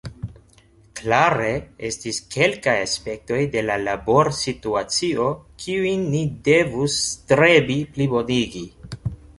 Klare estis kelkaj aspektoj de la laborsituacio, kiujn ni devus strebi plibonigi.